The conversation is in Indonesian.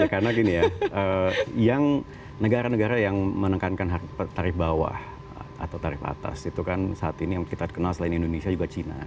karena gini ya negara negara yang menekankan tarif bawah atau tarif atas itu kan saat ini yang kita kenal selain indonesia juga cina